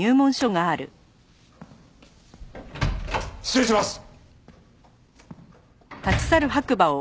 失礼します！